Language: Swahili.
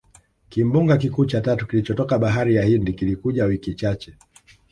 Kimbunga kikuu cha tatu kilichotoka Bahari ya Hindi kilikuja wiki chache